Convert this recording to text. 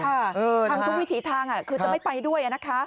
ทำทุกวิถีทางคือจะไม่ไปด้วย